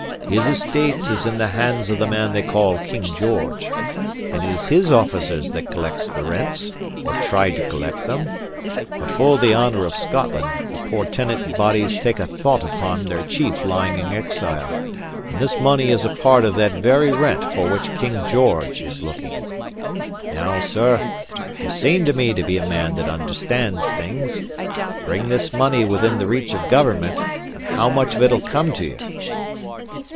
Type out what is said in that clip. His estate is in the hands of the man they call King George; and it is his officers that collect the rents, or try to collect them. But for the honour of Scotland, the poor tenant bodies take a thought upon their chief lying in exile; and this money is a part of that very rent for which King George is looking. Now, sir, ye seem to me to be a man that understands things: bring this money within the reach of Government, and how much of it'll come to you?"